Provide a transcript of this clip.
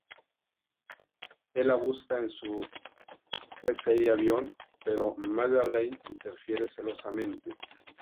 Él la busca en su psi-avión, pero Madelyne interfiere celosamente.